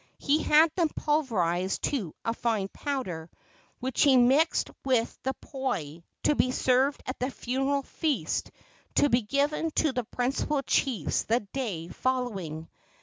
He had them pulverized to a fine powder, which he mixed with the poi to be served at the funeral feast to be given to the principal chiefs the day following.